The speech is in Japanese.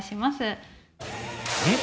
えっ！